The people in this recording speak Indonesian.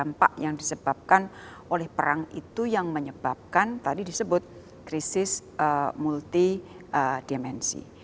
dampak yang disebabkan oleh perang itu yang menyebabkan tadi disebut krisis multi dimensi